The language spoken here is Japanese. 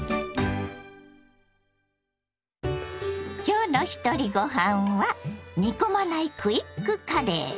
今日の「ひとりごはん」は煮込まないクイックカレー。